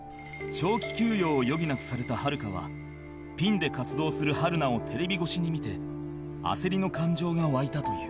長期休養を余儀なくされたはるかはピンで活動する春菜をテレビ越しに見て焦りの感情が湧いたという